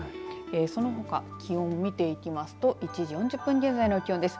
そのほか気温、見ていきますと１時４０分現在の気温です。